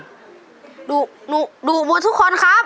หนูหนูหนูดุหมดทุกคนครับ